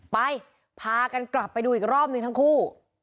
ไปพากันกลับไปดูอีกรอบหนึ่งทั้งคู่